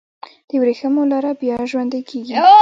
د وریښمو لاره بیا ژوندی کیږي؟